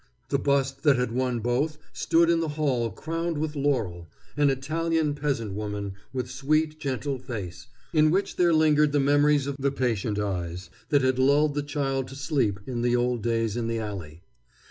The bust that had won both stood in the hall crowned with laurel an Italian peasant woman, with sweet, gentle face, in which there lingered the memories of the patient eyes that had lulled the child to sleep in the old days in the alley.